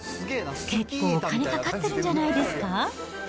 結構お金かかってるんじゃないですか？